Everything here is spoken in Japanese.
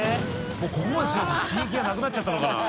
もうここまでしないと彪磴なくなっちゃったのかな？